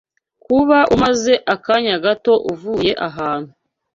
Kuba umaze akanya gato uvuye ahantu